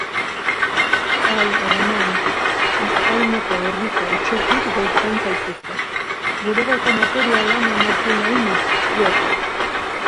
Bai, egun on; Azkaineko Herriko Etxetik deitzen zaituztet; bulegoko materiala manatu nahi nizueke.